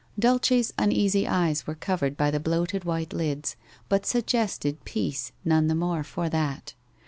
Dulce's uneasy eyes were covered by the bloated white lids, but suggested peace none the more for that.